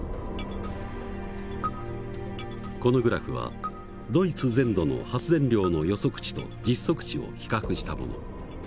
このグラフはドイツ全土の発電量の予測値と実測値を比較したもの。